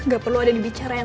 gak perlu ada yang dibicarakan